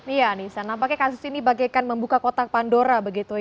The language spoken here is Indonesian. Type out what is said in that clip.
iya nisa nampaknya kasus ini bagaikan membuka kotak pandora